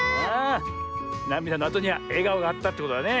なみだのあとにはえがおがあったってことだね。